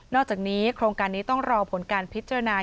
อกจากนี้โครงการนี้ต้องรอผลการพิจารณา